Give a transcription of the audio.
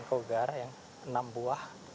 cougar yang enam buah